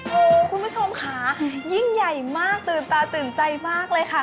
โอ้โหคุณผู้ชมค่ะยิ่งใหญ่มากตื่นตาตื่นใจมากเลยค่ะ